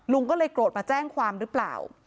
ลุงก็เลยโกรธมาแจ้งความหรือเปล่า